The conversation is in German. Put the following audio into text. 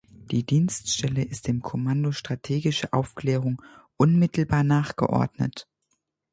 Die Dienststelle ist dem Kommando Strategische Aufklärung unmittelbar nachgeordnet.